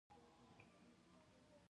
زردآلو د بدن داخلي روغتیا ساتي.